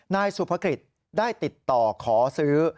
นายสุภกฤษได้ติดต่อขอซื้อ